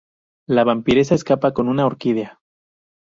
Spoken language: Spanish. La vampiresa escapa con una orquídea.